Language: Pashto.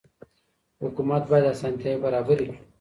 حکومت بايد اسانتياوي برابري کړي.